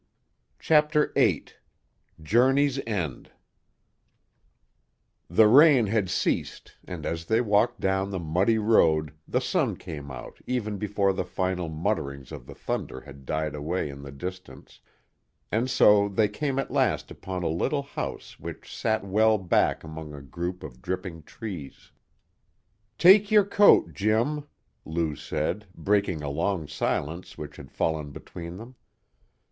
CHAPTER VIII Journey's End The rain had ceased, and as they walked down the muddy road the sun came out even before the final mutterings of the thunder had died away in the distance, and so they came at last upon a little house which sat well back among a group of dripping trees. "Take your coat, Jim," Lou said, breaking a long silence which had fallen between them.